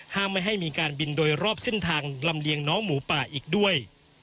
ไม่ให้มีการบินโดยรอบเส้นทางลำเลียงน้องหมูป่าอีกด้วย